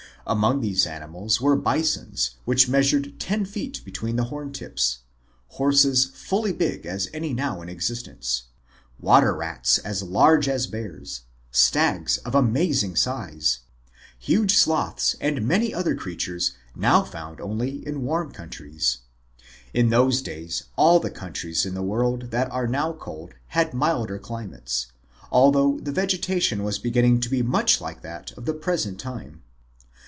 Among these animals were bisons which measured ten feet between the horn tips ; horses fully as big as any now in existence ; water rats as large as bears ; stags of amazing size ; huge sloths and many other creatures now found only in warm countries. In those days all the countries in the world that are now cold had milder climates, although the vegetation was beginning to be much like that of the present time.